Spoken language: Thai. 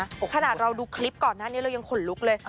โอ้โหขนาดเราดูคลิปก่อนหน้านี้เรายังขนลุกเลย